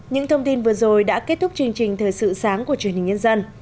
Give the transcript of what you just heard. những thông tin vừa rồi đã kết thúc chương trình thời sự sáng của truyền hình nhân dân